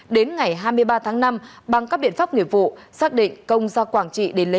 đến ngày hai mươi ba tháng năm bằng các biện pháp nghiệp vụ xác định công ra quảng trị